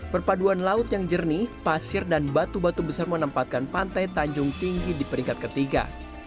perpaduan laut yang jernih pasir dan batu batu besar menempatkan pantai tanjung tinggi di peringkat ketiga